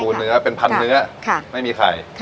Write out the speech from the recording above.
เนื้อเป็นพันเนื้อไม่มีไข่